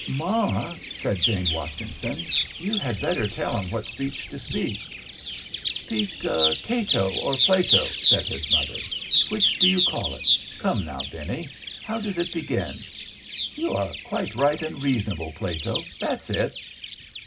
"Ma," said Jane Watkinson, "you had better tell him what speech to speak." "Speak Cato or Plato," said his mother. "Which do you call it? Come now, Benny—how does it begin? 'You are quite right and reasonable, Plato.' That's it."